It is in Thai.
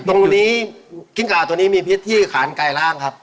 ตรงนี้กิ้งกล่าตัวนี้มีพิษที่ขานไกลร่างครับ